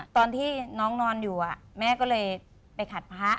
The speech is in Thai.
ตอนที่น้องนอนอยู่แม่ก็เลยไปขัดพระ